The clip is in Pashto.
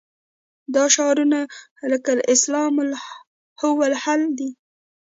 دا شعارونه لکه الاسلام هو الحل دي.